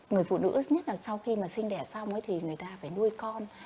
người phụ nữ nhất là sau khi mà sinh đẻ xong thì người ta phải nuôi con